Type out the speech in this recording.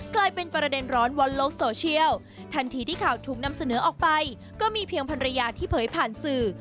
กลายเป็นประเด็นร้อนบนโลกโซเชียลทันทีที่ข่าวถูกนำเสนอออกไปก็มีเพียงภรรยาที่เผยผ่านสื่อ